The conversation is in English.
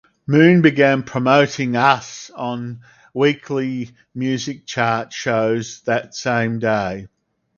Moon began promoting "Us" on weekly music chart shows that same day.